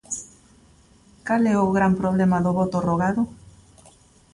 Cal é o gran problema do voto rogado?